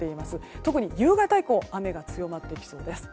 特に、夕方以降雨が強まってきそうです。